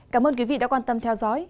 cảm ơn quý vị đã quan tâm theo dõi